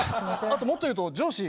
あともっと言うと上司。